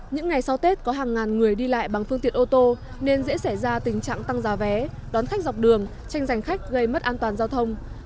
những ngày sau tết có hàng ngàn người đi lại bằng phương tiện ô tô nên dễ xảy ra tình trạng tăng giá vé đón khách dọc đường tranh giành khách gây mất an toàn giao thông